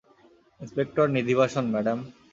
Inspector Nidhibasan, madam.